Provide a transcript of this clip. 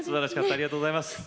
ありがとうございます。